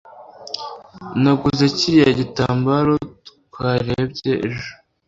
naguze kiriya gitambaro twarebye ejo